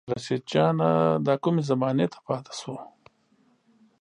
رشيد جانه دا کومې زمانې ته پاتې شو